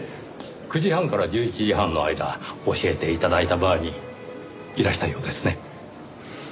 ９時半から１１時半の間教えて頂いたバーにいらしたようですね。